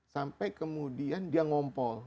sampai kemudian dia ngompol